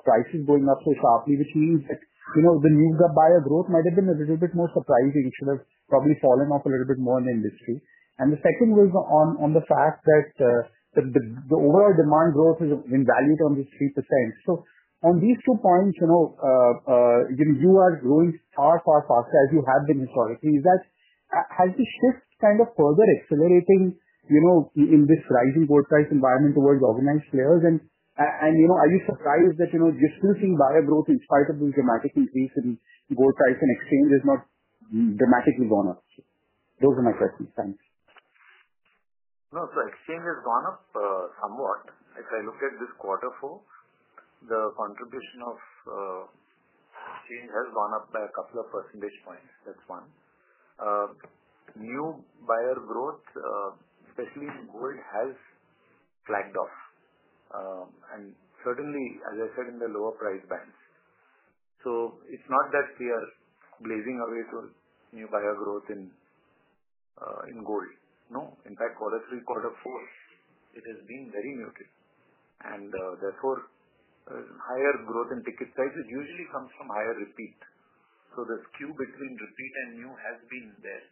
prices going up so sharply, which means that the new buyer growth might have been a little bit more surprising. It should have probably fallen off a little bit more in the industry, and the second was on the fact that the overall demand growth has been valued on this 3%. On these two points, you are growing far, far faster as you have been historically. Has the shift further accelerating in this rising gold price environment towards organized players? And are you surprised that just using buyer growth in spite of this dramatic increase in gold price and exchange has not dramatically gone up? Those are my questions. Thanks. No. So exchange has gone up somewhat. If I look at this quarter four, the contribution of exchange has gone up by a couple of percentage points. That's one. New buyer growth, especially in gold, has flagged. And certainly, as I said, in the lower price bands. So it's not that we are blazing our way towards new buyer growth in gold. No. In fact, quarter three and quarter four, it has been very muted. And therefore, higher growth in ticket sizes usually comes from higher repeat. So the skew between repeat and new has been there.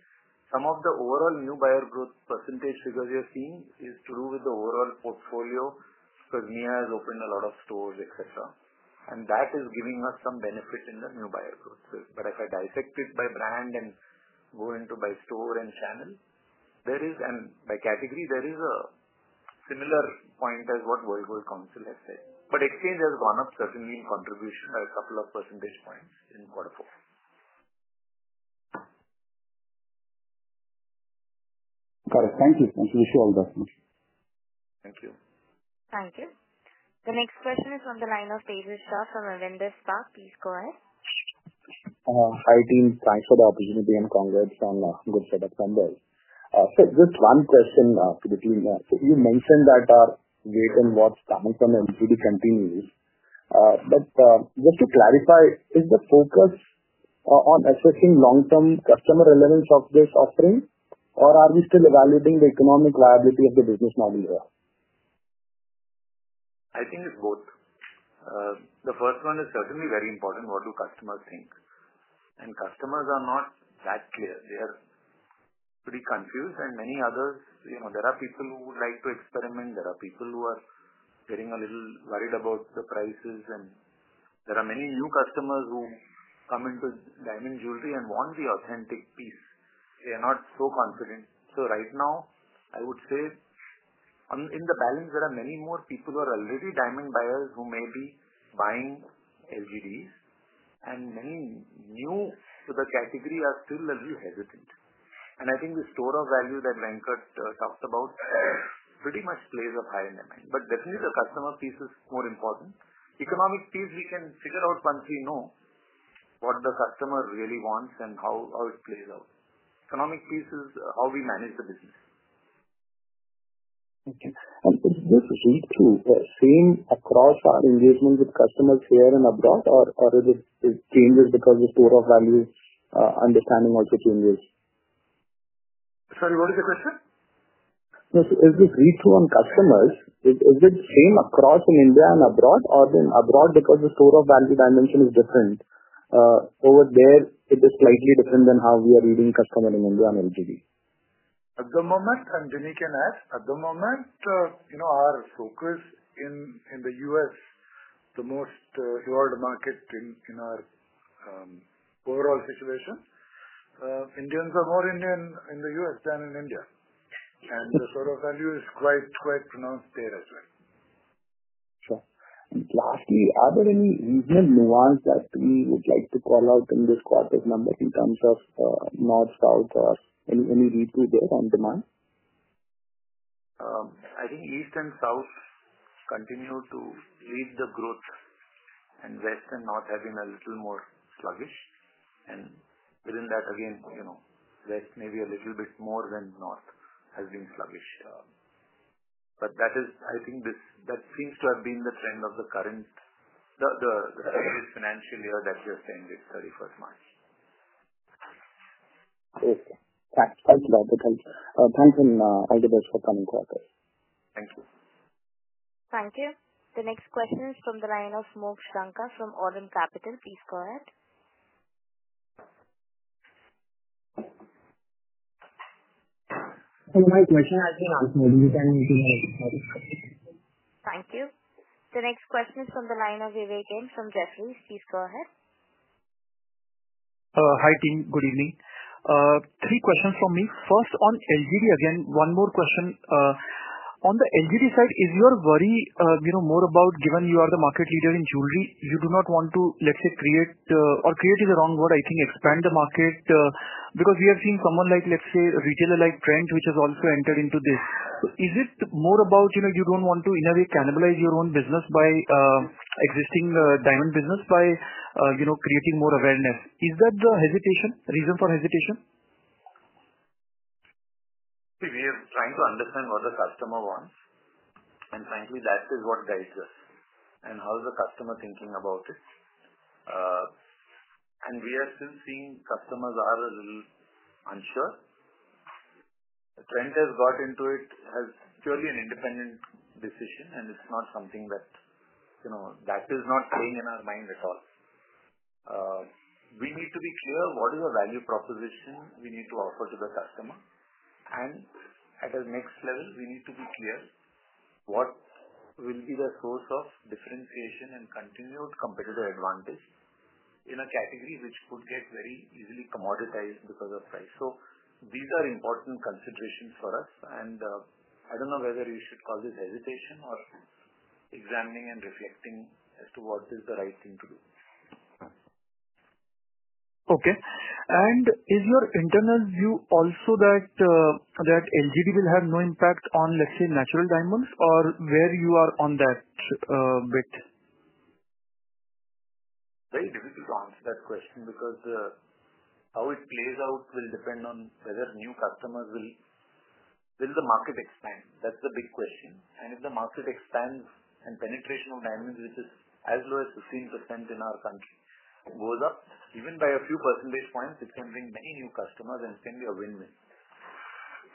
Some of the overall new buyer growth percentage figures you're seeing is to do with the overall portfolio because Mia has opened a lot of stores, etc. And that is giving us some benefit in the new buyer growth. But if I dissect it by brand and go into by store and channel, and by category, there is a similar point as what World Gold Council has said. But exchange has gone up certainly in contribution by a couple of percentage points in quarter four. Got it. Thank you. Wish you all the best. Thank you. Thank you. The next question is from the line of Ritesh Shah from Investec. Please go ahead. Hi, team. Thanks for the opportunity and congrats on the good setup, Venkat. So just one question to the team. So you mentioned that our watches and wearables coming from MCD continues. But just to clarify, is the focus on assessing long-term customer relevance of this offering, or are we still evaluating the economic viability of the business model here? It's both. The first one is certainly very important. What do customers think, and customers are not that clear. They are pretty confused, and many others, there are people who would like to experiment. There are people who are getting a little worried about the prices, and there are many new customers who come into diamond jewelry and want the authentic piece. They are not so confident, so right now, I would say in the balance, there are many more people who are already diamond buyers who may be buying LGDs, and many new to the category are still a little hesitant, and the store of value that Venkat talked about pretty much plays a higher demand, but definitely, the customer piece is more important. Economic piece, we can figure out once we know what the customer really wants and how it plays out. Economic piece is how we manage the business. Thank you. And is this read-through the same across our engagement with customers here and abroad, or is it changes because the store of value understanding also changes? Sorry, what is the question? No. So is this read-through on customers, is it same across in India and abroad, or then abroad because the store of value dimension is different? Over there, it is slightly different than how we are reading customer in India and LGD? At the moment, and Vinny can add, our focus in the U.S., the most world market in our overall situation, Indians are more Indian in the U.S. than in India, and the store of value is quite pronounced there as well. Sure. And lastly, are there any regional nuances that we would like to call out in this quarter number in terms of north, south, or any read-through there on demand? East and south continue to lead the growth, and west and north have been a little more sluggish, and within that, again, west maybe a little bit more than north has been sluggish, but that seems to have been the trend of the current financial year that we are saying is 31st March. Okay. Thanks, Venkat. Thanks, and all the best for coming quarter. Thank you. Thank you. The next question is from the line of Mokshit from Aurum Capital. Please go ahead. My question has been answered. You can move to the next question. Thank you. The next question is from the line of Vivek from Jefferies. Please go ahead. Hi, team. Good evening. Three questions from me. First, on LGD, again, one more question. On the LGD side, is your worry more about, given you are the market leader in jewelry, you do not want to, let's say, create, or create is the wrong word expand the market? Because we have seen someone, let's say, retailer-like trend, which has also entered into this. So is it more about you don't want to, in a way, cannibalize your own business by existing diamond business by creating more awareness? Is that the hesitation, reason for hesitation? We are trying to understand what the customer wants, and frankly, that is what guides us, and how is the customer thinking about it? We are still seeing customers are a little unsure. The trend has got into it? It has purely an independent decision, and it's not something that is not playing in our mind at all. We need to be clear what is the value proposition we need to offer to the customer, and at the next level, we need to be clear what will be the source of differentiation and continued competitive advantage in a category which could get very easily commoditized because of price. These are important considerations for us, and I don't know whether you should call this hesitation or examining and reflecting as to what is the right thing to do. Okay. And is your internal view also that LGD will have no impact on, let's say, natural diamonds, or where you are on that bit? Very difficult to answer that question because how it plays out will depend on whether new customers will the market expand? That's the big question. And if the market expands and penetration of diamonds, which is as low as 15% in our country, goes up even by a few percentage points, it can bring many new customers and can be a win-win.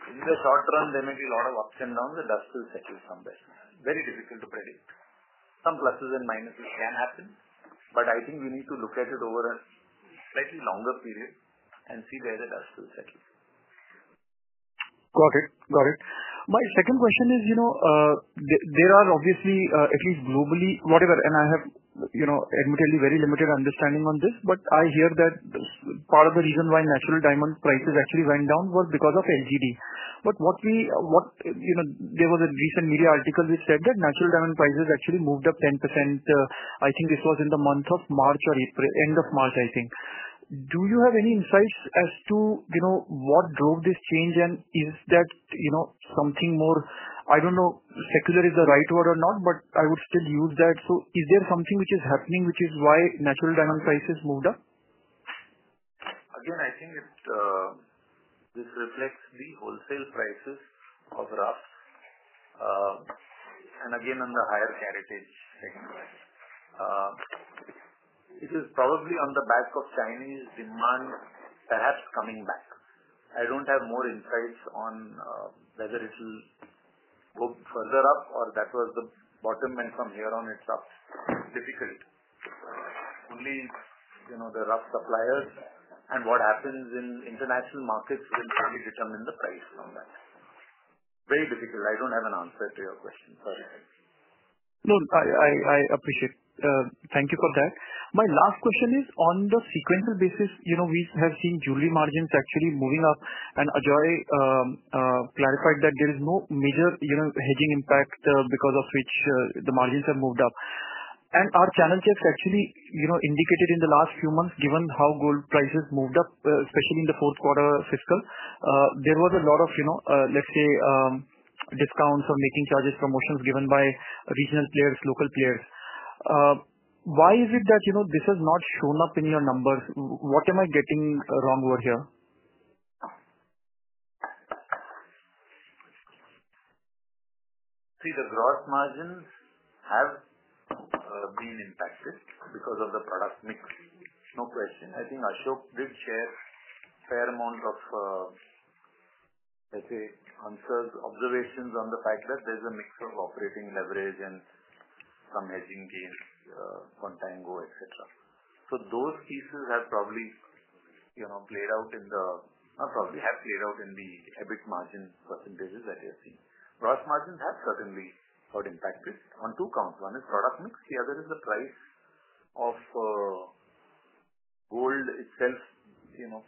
In the short term, there may be a lot of ups and downs. It has to settle somewhere. Very difficult to predict. Some pluses and minuses can happen, but we need to look at it over a slightly longer period and see where it has to settle. Got it. My second question is, there are obviously, at least globally, whatever, and I have admittedly very limited understanding on this, but I hear that part of the reason why natural diamond prices actually went down was because of LGD. But what we, there was a recent media article which said that natural diamond prices actually moved up 10%. This was in the month of March or end of March. Do you have any insights as to what drove this change, and is that something more, I don't know if secular is the right word or not, but I would still use that. So is there something which is happening which is why natural diamond prices moved up? Again, this reflects the wholesale prices of roughs and again on the higher heritage segment. It is probably on the back of Chinese demand perhaps coming back. I don't have more insights on whether it will go further up or that was the bottom and from here on it's up. Difficult. Only the rough suppliers and what happens in international markets will probably determine the price from that. Very difficult. I don't have an answer to your question. Sorry. No, I appreciate. Thank you for that. My last question is, on the sequential basis, we have seen jewelry margins actually moving up, and Ajoy clarified that there is no major hedging impact because of which the margins have moved up, and our channel checks actually indicated in the last few months, given how gold prices moved up, especially in the fourth quarter fiscal, there was a lot of, let's say, discounts or making charges, promotions given by regional players, local players. Why is it that this has not shown up in your numbers? What am I getting wrong over here? See, the gross margins have been impacted because of the product mix. No question. Ashok did share a fair amount of, let's say, answers, observations on the fact that there's a mix of operating leverage and some hedging gains, contango, etc. So those pieces have probably played out in the EBIT margin percentages that we have seen. Gross margins have certainly got impacted on two counts. One is product mix. The other is the price of gold itself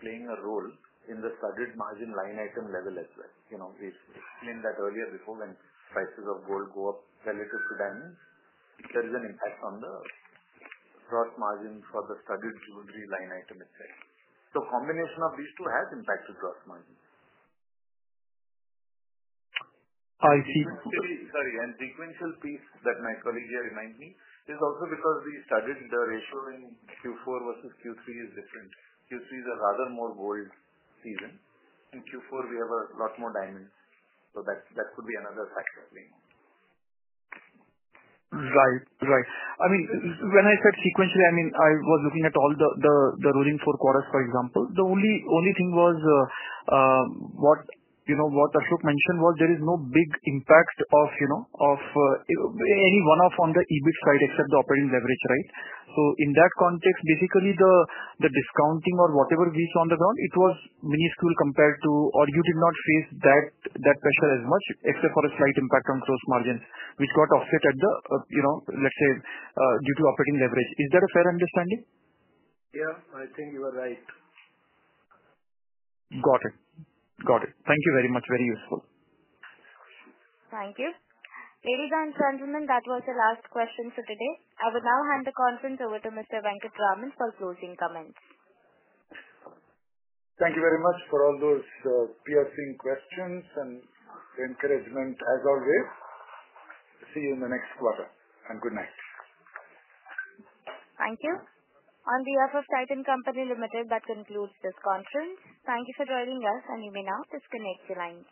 playing a role in the studded margin line item level as well. We explained that earlier before when prices of gold go up relative to diamonds, there is an impact on the gross margin for the studded jewelry line item itself. So combination of these two has impacted gross margins. I see. Sorry, and sequential piece that my colleague here reminded me is also because the studded ratio in Q4 versus Q3 is different. Q3 is a rather more gold season. In Q4, we have a lot more diamonds. So that could be another factor playing out. Right. When I said sequentially, I was looking at all the rolling four quarters, for example. The only thing was what Ashok mentioned was there is no big impact of any one-off on the EBIT side except the operating leverage, right? So in that context, basically, the discounting or whatever we saw on the ground, it was minuscule compared to- or you did not face that pressure as much, except for a slight impact on gross margins, which got offset at the, let's say, due to operating leverage. Is that a fair understanding? Yeah. You are right. Got it. Thank you very much. Very useful. Thank you. Ladies and gentlemen, that was the last question for today. I will now hand the conference over to Mr. Venkataraman for closing comments. Thank you very much for all those piercing questions and the encouragement, as always. See you in the next quarter, and good night. Thank you. On behalf of Titan Company Limited, that concludes this conference. Thank you for joining us, and you may now disconnect the line.